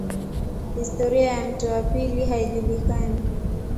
Historia ya mto wa pili haijulikani.